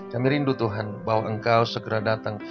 kami rindu tuhan bahwa engkau segera datang